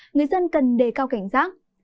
người dân cần đề cao cảnh giác